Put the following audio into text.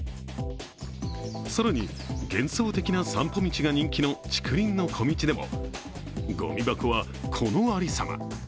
更に幻想的な散歩道が人気の竹林の小径でもごみ箱は、このありさま。